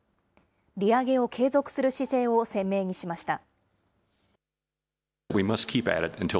利上げを継続する姿勢を鮮明にしました。